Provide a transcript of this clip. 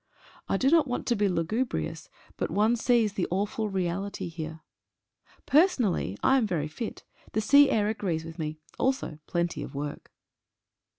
I do not want to be lugubrious, but one sees the awful reality here. Per sonally I am very fit; the sea air agrees with me, also plenty of work.